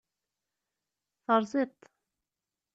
Terẓiḍ-t.